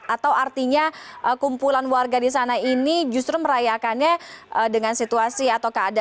atau artinya kumpulan warga di sana ini justru merayakannya dengan situasi atau keadaan